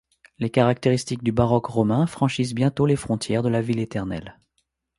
Les caractéristiques du baroque romain franchissent bientôt les frontières de la Ville éternelle.